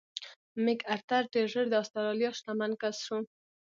مک ارتر ډېر ژر د اسټرالیا شتمن کس شو.